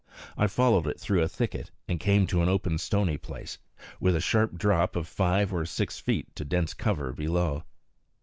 I followed it through a thicket, and came to an open stony place, with a sharp drop of five or six feet to dense cover below.